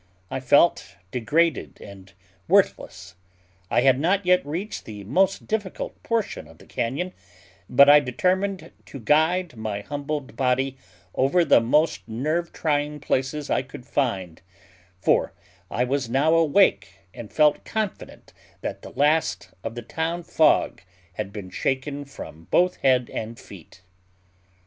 I felt degraded and worthless. I had not yet reached the most difficult portion of the cañon, but I determined to guide my humbled body over the most nerve trying places I could find; for I was now awake, and felt confident that the last of the town fog had been shaken from both head and feet.